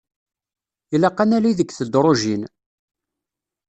Ilaq ad nali deg tedrujin.